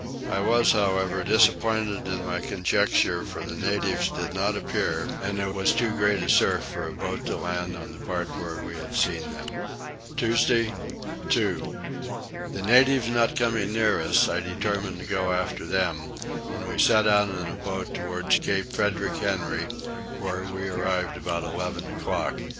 I was however disappointed in my conjecture for the natives did not appear, and there was too great a surf for a boat to land on the part where we had seen them. Tuesday 2. The natives not coming near us, I determined to go after them, and we set out in a boat towards Cape Frederick Henry, where we arrived about eleven o'clock.